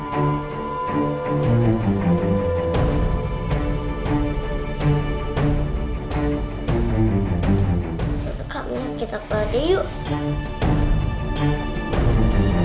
tapi kak menyakit aku tadi yuk